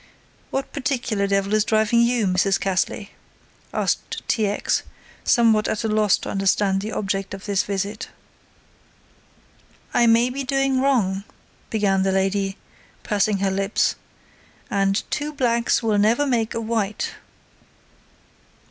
"What particular devil is driving you, Mrs. Cassley?" asked T. X., somewhat at a loss to understand the object of this visit. "I may be doing wrong," began the lady, pursing her lips, "and two blacks will never make a white."